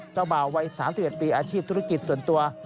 บ่าววัย๓๑ปีอาชีพธุรกิจส่วนตัว